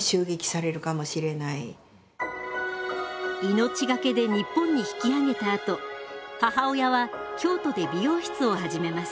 命懸けで日本に引き揚げたあと母親は京都で美容室を始めます。